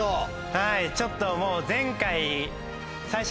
はいちょっともう。